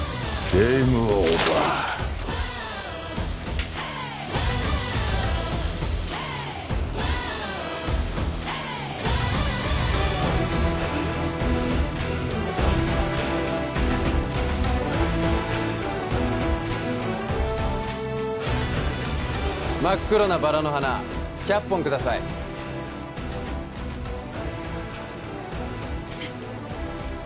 ゲームオーバー真っ黒なバラの花１００本くださいえっ？